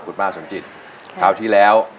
คราวที่แล้ว